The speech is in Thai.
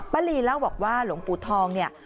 ลีเล่าบอกว่าหลวงปู่ทองเนี่ย